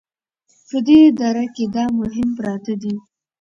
په دې دره کې دا مهم پراته دي